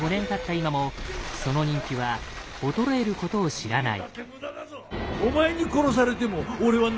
今もその人気は衰えることを知らない。